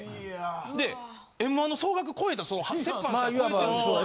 で『Ｍ−１』の総額超えたその折半したら超えてるんですよね。